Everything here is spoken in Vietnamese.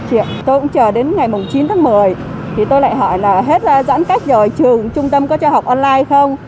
tôi cũng chờ đến ngày chín tháng một mươi tôi lại hỏi là hết ra giãn cách rồi trường trung tâm có cho học online không